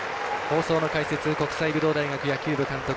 放送の解説、国際武道大学野球部監督